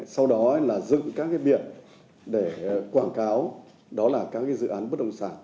sau đó là dựng các biện để quảng cáo đó là các dự án bất đồng sản